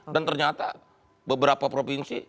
dan ternyata beberapa provinsi